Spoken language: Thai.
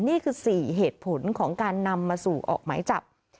นี่คือ๔เหตุผลของการนำมาสู่ออกหมายจับ